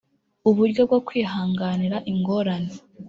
uburyo bwo kwihanganira ingorane